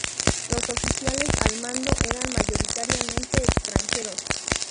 Los oficiales al mando eran mayoritariamente extranjeros.